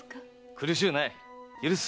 苦しゅうない許す。